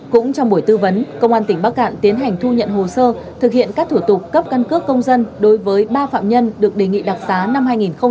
cũng trong buổi tư vấn công an tỉnh bắc cạn tiến hành thu nhận hồ sơ thực hiện các thủ tục cấp căn cước công dân đối với ba phạm nhân được đề nghị đặc xá năm hai nghìn một mươi chín